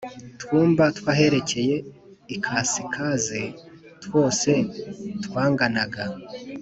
Twumba tw aherekeye ikasikazi twose twanganaga